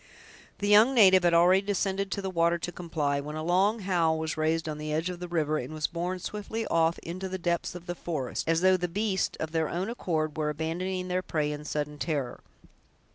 The young native had already descended to the water to comply, when a long howl was raised on the edge of the river, and was borne swiftly off into the depths of the forest, as though the beasts, of their own accord, were abandoning their prey in sudden terror.